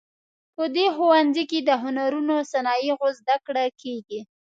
په دې ښوونځي کې د هنرونو او صنایعو زده کړه کیږي